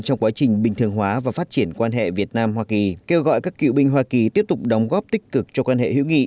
trong quá trình bình thường hóa và phát triển quan hệ việt nam hoa kỳ kêu gọi các cựu binh hoa kỳ tiếp tục đóng góp tích cực cho quan hệ hữu nghị